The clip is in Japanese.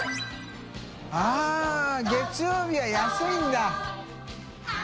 あぁ月曜日は安いんだ。